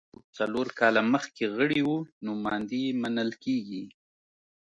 که څوک څلور کاله مخکې غړي وو نوماندي یې منل کېږي